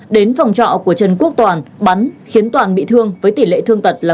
đến phòng trọ của trần quốc toàn bắn khiến toàn bị thương với tỷ lệ thương tật là